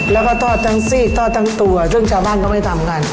แล้วก็ทอดทั้งซีกทอดทั้งตัวซึ่งชาวบ้านก็ไม่ทำกัน